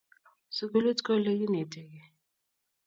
sukulit ko lekinetekei